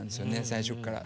最初っから。